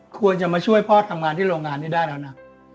ควรจะมาช่วยพ่อทำงานที่โรงงานนี้ได้แล้วนะ